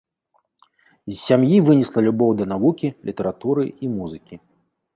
З сям'і вынесла любоў да навукі, літаратуры і музыкі.